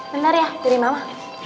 bentar ya dari mama